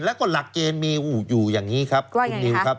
แล้วก็ลักเจนมีอยู่อย่างนี้ครับ